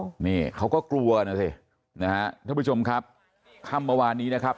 นี่เขาก็กลัวนะสินะฮะท่านผู้ชมครับค่ำเมื่อวานนี้นะครับ